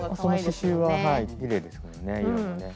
その刺しゅうははいきれいですからね色がね。